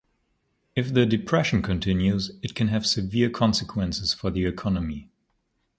If the depression continues, it can have severe consequences for the economy.